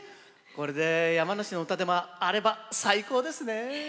これで山梨の唄でもあれば最高ですね。